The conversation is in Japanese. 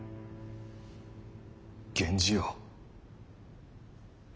源氏よ。